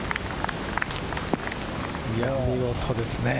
見事ですね。